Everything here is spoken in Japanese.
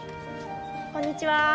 こんにちは。